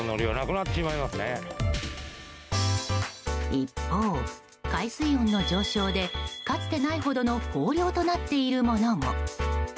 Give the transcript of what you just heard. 一方、海水温の上昇でかつてないほどの豊漁となっているものも。